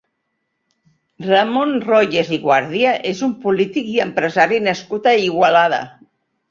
Ramon Royes i Guàrdia és un polític i empresari nascut a Igualada.